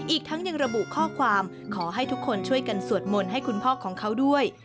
อีกทั้งยังระบุข้อความขอให้ทุกคนช่วยกันสวดมนต์ให้คุณพ่อของเขาด้วย